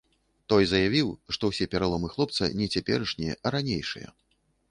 Той заявіў, што ўсе пераломы хлопца не цяперашнія, а ранейшыя.